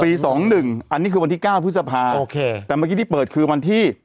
สองหนึ่งอันนี้คือวันที่เก้าพฤษภาโอเคแต่เมื่อกี้ที่เปิดคือวันที่